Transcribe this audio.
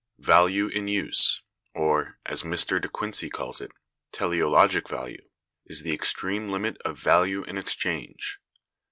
Value in use, or, as Mr. De Quincey calls it, teleologic value, is the extreme limit of value in exchange.